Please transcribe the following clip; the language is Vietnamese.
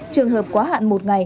trường hợp quá hạn một